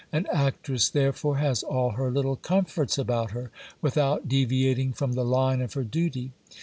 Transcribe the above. An actress therefore has all her little comforts about her, without de viating from the line of her duty.